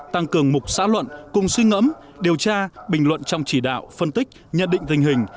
tăng cường mục xã luận cùng suy ngẫm điều tra bình luận trong chỉ đạo phân tích nhận định tình hình